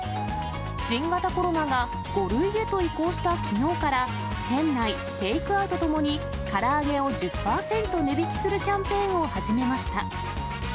新型コロナが５類へと移行したきのうから、店内、テイクアウトともに、から揚げを１０％値引きするキャンペーンを始めました。